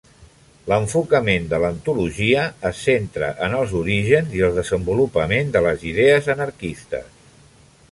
L'enfocament de l'antologia es centra en els orígens i el desenvolupament de les idees anarquistes.